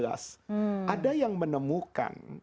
ada yang menemukan